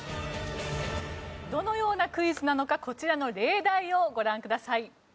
どのようなクイズなのかこちらの例題をご覧ください。